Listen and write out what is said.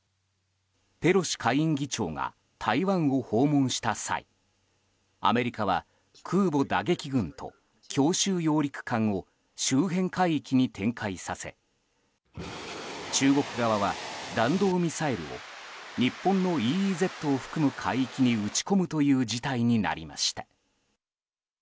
ペロシ下院議長が台湾を訪問した際アメリカは空母打撃群と強襲揚陸艦を周辺海域に展開させ中国側は、弾道ミサイルを日本のＥＥＺを含む海域に撃ち込むという事態になりました。